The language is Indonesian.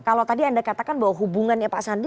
kalau tadi anda katakan bahwa hubungannya pak sandi